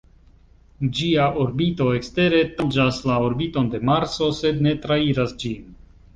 Ĝia orbito ekstere tanĝas la orbiton de Marso sed ne trairas ĝin.